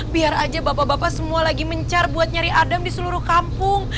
biar aja bapak bapak semua lagi mencar buat nyari adam di seluruh kampung